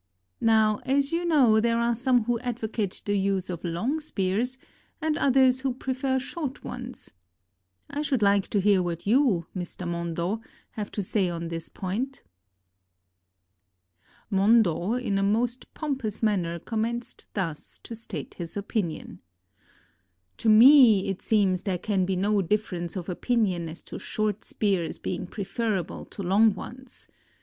Now, as you know, there are some who advocate the use of long spears and others who prefer short ones. I should like to hear what you, Mr. Mondo, have to say on this point." Mondo in a most pompous manner commenced thus to state his opinion: "To me it seems there can be no difference of opinion as to short spears being preferable to long ones.